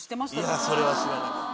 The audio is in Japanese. いやそれは知らなかった。